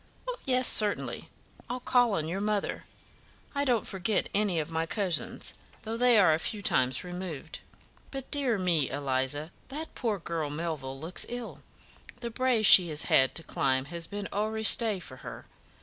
"Oh, yes, certainly, I'll call on your mother. I don't forget any of my cousins, though they are a few times removed. But, dear me, Eliza, that poor girl Melville looks ill; the brae she has had to climb has been owre stey for her.